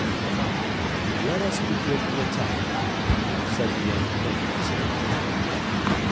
"Come, let us begin the attack," said the young king resolutely.